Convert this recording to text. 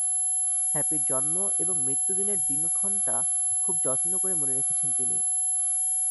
হ্যাপির জন্ম এবং মৃত্যুদিনের দিনক্ষণটা খুব যত্ন করে মনে রেখেছেন তিনি।